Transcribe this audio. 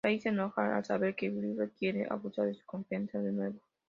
Ryan se enoja al saber que Wilfred quiere abusar de su confianza de nuevo.